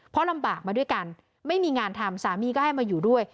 เพราะลำบากมาด้วยกันไม่มีงานทำสามีก็ให้มาอยู่ด้วย